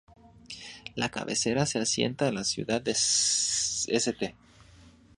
La Cabecera se asienta en la ciudad de St.